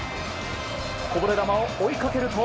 こぼれ球を追いかけると。